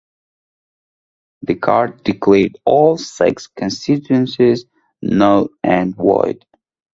The court declared all six constituencies null and void.